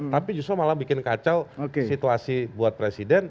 tapi justru malah bikin kacau situasi buat presiden